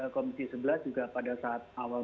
komisi sebelas juga pada saat awal